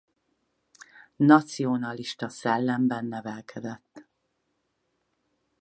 Nacionalista szellemben nevelkedett.